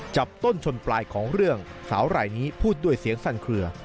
จับต้นชนปลายของเรื่องสาวรายนี้พูดด้วยเสียงสั่นเคลือ